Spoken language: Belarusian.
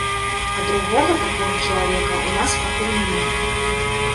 А другога такога чалавека ў нас пакуль няма.